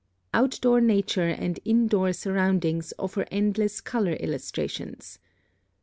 (53) Outdoor nature and indoor surroundings offer endless color illustrations.